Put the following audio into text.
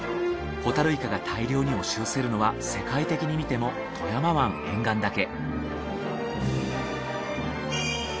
ホタルイカが大量に押し寄せるのは世界的に見ても富山湾沿岸だけ。